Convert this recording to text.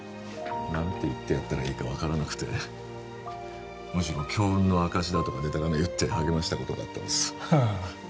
何て言ってやったらいいか分からなくてむしろ強運の証しだとかでたらめ言って励ましたことがあったんですへえ